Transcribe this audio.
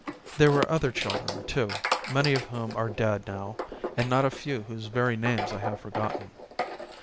There were other children, too, many of whom are dead now, and not a few whose very names I have forgotten.